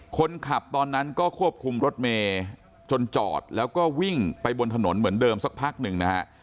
ตอนนั้นก็ควบคุมรถเมย์จนจอดแล้วก็วิ่งไปบนถนนเหมือนเดิมสักพักหนึ่งนะฮะ